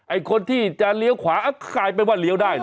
ไอ้คนที่จะเลี้ยวขวาขายไปว่าเลี้ยวได้หรอ